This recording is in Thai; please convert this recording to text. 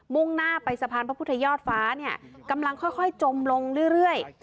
่งหน้าไปสะพานพระพุทธยอดฟ้าเนี่ยกำลังค่อยจมลงเรื่อย